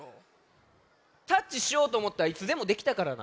タッチしようとおもったらいつでもできたからな。